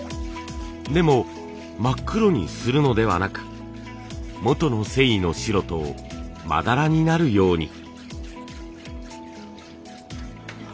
でも真っ黒にするのではなく元の繊維の白とまだらになるように。